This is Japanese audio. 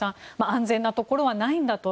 安全なところはないんだと。